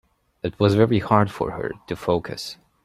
It was very hard for her to focus.